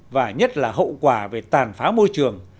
và nhất là hậu quả về tàn phá môi trường